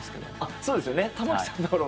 そうですよね。